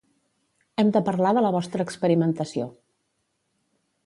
Hem de parlar de la vostra experimentació.